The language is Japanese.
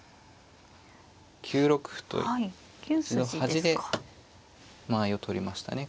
９六歩と端で間合いをとりましたね。